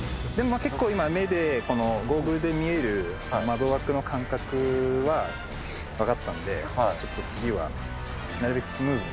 でも結構今目でこのゴーグルで見える窓枠の感覚は分かったんでちょっと次は。